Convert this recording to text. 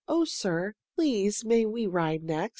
O sir! Please may we ride next?"